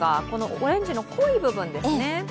オレンジの濃い部分ですね。